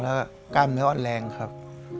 แล้วกล้ามเนื้ออ่อนแรงครับ